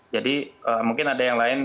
jadi mungkin ada yang lain